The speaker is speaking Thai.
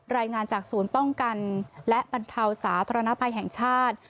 รายงานจากศูนย์ป้องกันและบรรเทาสาธารณภัยแห่งชาติ